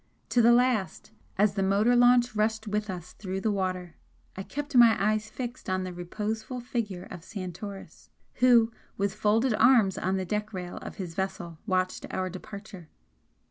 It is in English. To the last, as the motor launch rushed with us through the water, I kept my eyes fixed on the reposeful figure of Santoris, who with folded arms on the deck rail of his vessel, watched our departure.